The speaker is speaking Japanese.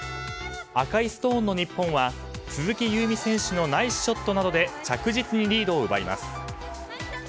赤いストーンの日本は鈴木夕湖選手のナイスショットなどで着実にリードを奪います。